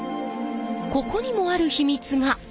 ここにもある秘密が！